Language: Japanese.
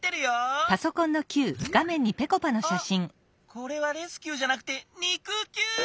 これはレスキューじゃなくて肉きゅう！